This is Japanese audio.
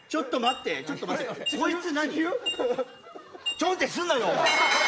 ちょんってすんなよ！